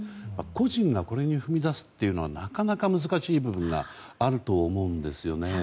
個人がこれに踏み出すというのはなかなか難しい部分があると思うんですよね。